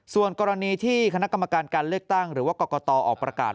ส่วนกรณีที่คณะกรรมการการเลือกตั้งหรือว่ากรกตออกประกาศ